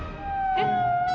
えっ！